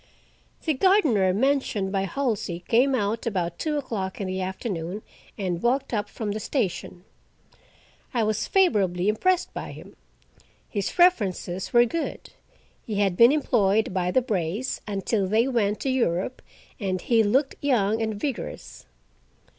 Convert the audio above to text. The gardener mentioned by Halsey came out about two o'clock in the afternoon, and walked up from the station. I was favorably impressed by him. His references were good—he had been employed by the Brays' until they went to Europe, and he looked young and vigorous.